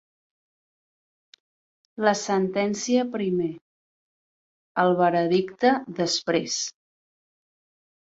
La sentència primer, el veredicte després.